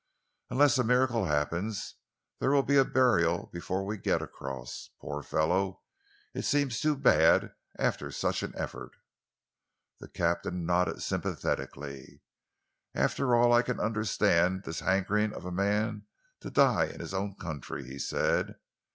"Unless a miracle happens, there'll be a burial before we get across. Poor fellow, it seems too bad after such an effort." The captain nodded sympathetically. "After all, I can understand this hankering of a man to die in his own country," he said.